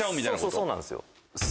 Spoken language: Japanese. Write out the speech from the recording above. そうなんですよ。